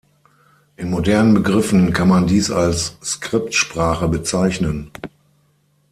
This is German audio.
In modernen Begriffen kann man dies als Scriptsprache bezeichnen.